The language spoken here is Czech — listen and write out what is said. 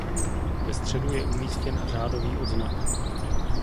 Ve středu je umístěn řádový odznak.